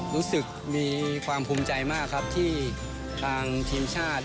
รู้สึกมีความภูมิใจมากครับที่ทางทีมชาติ